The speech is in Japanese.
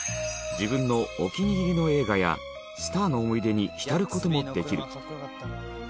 自分のお気に入りの映画やスターの思い出に浸る事もできる。